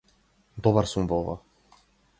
Добар сум во ова.